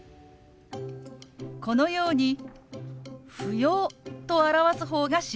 このように「不要」と表す方が自然です。